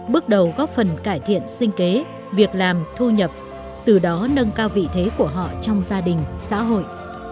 bước đầu góp phần cải thiện sinh kế việc làm thu nhập từ đó nâng cao vị thế của họ trong gia đình xã hội